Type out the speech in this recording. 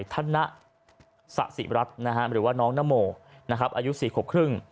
ธนสะสิรัฐหรือว่าน้องนโมอายุ๔ขวบครึ่ง